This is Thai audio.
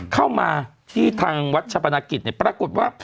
เข้ามาที่ทางวัดชรรพนักศิริปรากฏว่า